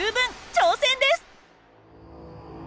挑戦です！